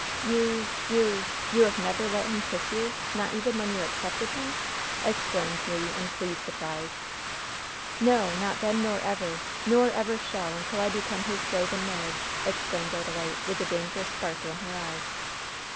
"You you you have never let him kiss you not even when you accepted him!" exclaimed Le, in pleased surprise. "No; not then; nor ever! No; nor ever shall, until I become his slave in marriage!" exclaimed the girl, with a dangerous sparkle in her eyes.